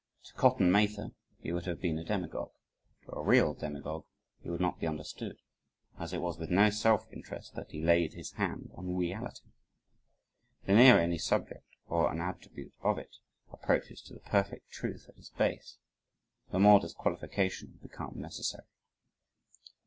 To Cotton Mather, he would have been a demagogue, to a real demagogue he would not be understood, as it was with no self interest that he laid his hand on reality. The nearer any subject or an attribute of it, approaches to the perfect truth at its base, the more does qualification become necessary.